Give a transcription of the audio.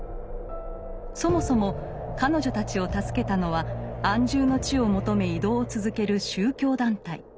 そもそも彼女たちを助けたのは安住の地を求め移動を続ける宗教団体。